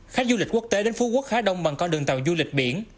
khách du lịch quốc tế đến phú quốc khá đông bằng con đường tàu du lịch biển